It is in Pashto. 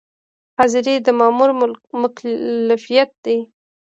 حاضري د مامور مکلفیت دی